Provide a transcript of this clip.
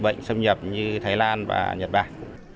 bệnh xâm nhập như thái lan và nhật bản